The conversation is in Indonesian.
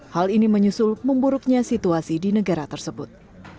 hal ini menyusul memburuknya situasi di negara tersebut